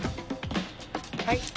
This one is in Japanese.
はい。